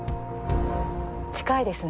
近いですね。